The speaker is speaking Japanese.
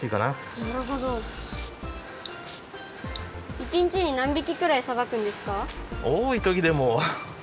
１にちになん匹くらいさばくんですか？